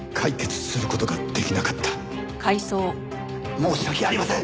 申し訳ありません！